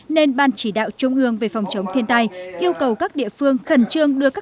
nên ban chỉ đạo trung ương về phòng chống thiên tai yêu cầu các địa phương khẩn trương đưa các